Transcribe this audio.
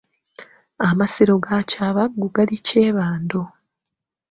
Amasiro ga Kyabaggu gali Kyebando.